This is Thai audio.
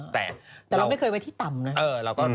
แต่เราก็ไม่เคยไปที่ต่ำ